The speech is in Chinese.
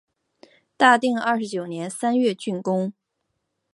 大定二十九年三月竣工。